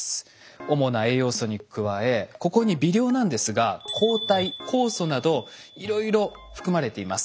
主な栄養素に加えここに微量なんですが抗体酵素などいろいろ含まれています。